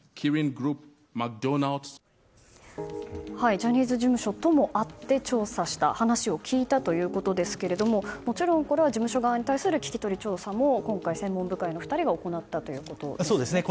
ジャニーズ事務所とも会って調査した話を聞いたということですがもちろんこれは事務所側に対する聞き取り調査も今回、専門部会の２人が行ったということですね。